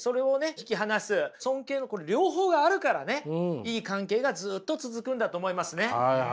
引き離す尊敬の両方があるからねいい関係がずっと続くんだと思いますね。